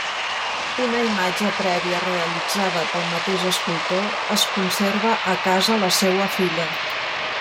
Una imatge prèvia realitzada pel mateix escultor es conserva a casa la seua filla.